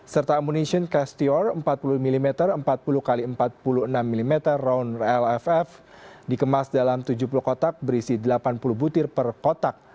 serta amunition castior empat puluh mm empat puluh x empat puluh enam mm round lff dikemas dalam tujuh puluh kotak berisi delapan puluh butir per kotak